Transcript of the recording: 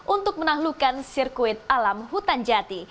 untuk menaklukkan sirkuit alam hutan jati